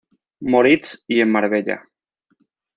Moritz y en Marbella.